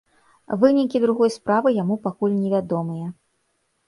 Вынікі другой справы яму пакуль невядомыя.